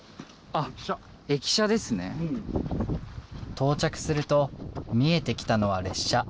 到着すると見えてきたのは列車。